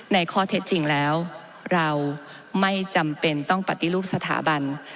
ในข้อเท็จจริงแล้วเราไม่จำเป็นต้องปฏิรูปสถาบัน